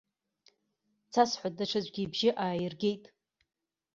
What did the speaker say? Цасҳәа даҽаӡәгьы ибжьы ааиргеит.